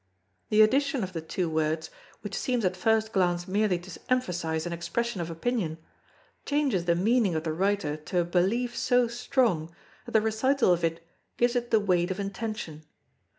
_ The addition of the two words, which seems at first glance merely to emphasise an expression of opinion, changes the meaning of the writer to a belief so strong that the recital of it gives it the weight of intention.